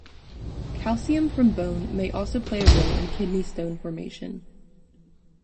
Calcium from bone may also play a role in kidney stone formation.